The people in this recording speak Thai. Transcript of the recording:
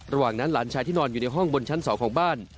ระหว่างนั้นหลานชายที่นอนอยู่ในห้องบนชั้น๒ของบ้าน